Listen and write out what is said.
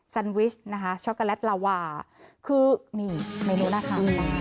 ซันวิชช็อกโกแลตลาวาคือเมนูน่ะค่ะ